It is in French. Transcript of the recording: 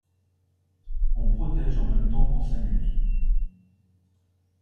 On protège en même temps qu’on s’amuse.